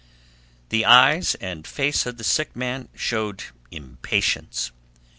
The eyes and face of the sick man showed impatience.